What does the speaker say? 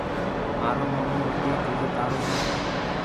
مهارو مومو وڌيڪ عِزت آݪو هيَ۔